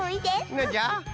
なんじゃ？